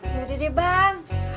yaudah deh bang